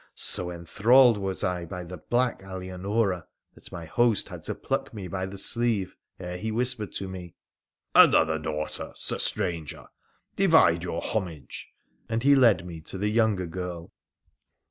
so enthralled was I by the black Alianora that my host had to pluck me by the sleeve ere he whispered to me, ' Another daughter, sir stranger ! Divide your homage,' and he led me to the younger girl.